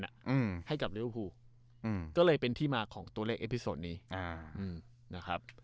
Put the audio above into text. อ่ะอืมให้กับอืมก็เลยเป็นที่มาของตัวเลขนี้อ่าอืมนะครับ